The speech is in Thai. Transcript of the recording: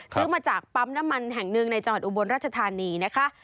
ซื้อมาจากปั๊มน้ำมันแห่งหนึ่งในจังหวัดอุบลรัชธานีนะคะ